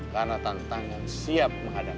karena tantangan siap menghadapi